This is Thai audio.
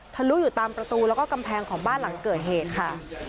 ลุอยู่ตามประตูแล้วก็กำแพงของบ้านหลังเกิดเหตุค่ะ